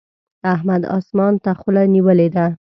احمد اسمان ته خوله نيولې ده.